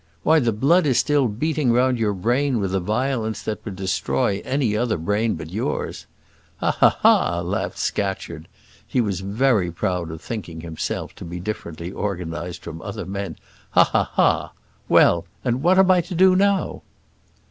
why the blood is still beating round your brain with a violence that would destroy any other brain but yours." "Ha! ha! ha!" laughed Scatcherd. He was very proud of thinking himself to be differently organised from other men. "Ha! ha! ha! Well, and what am I to do now?"